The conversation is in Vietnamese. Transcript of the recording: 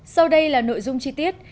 sau đây là nội dung chi tiết